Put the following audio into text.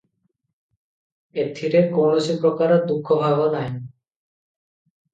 ଏଥିରେ କୌଣସି ପ୍ରକାର ଦୁଃଖ ଭାବ ନାହିଁ ।"